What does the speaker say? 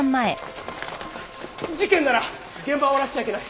事件なら現場を荒らしちゃいけない。